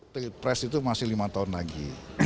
di bidang pres itu masih lima tahun lagi